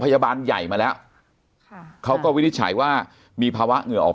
พยาบาลใหญ่มาแล้วค่ะเขาก็วินิจฉัยว่ามีภาวะเหงื่อออก